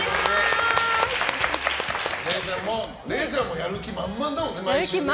れいちゃんもやる気満々だもんね。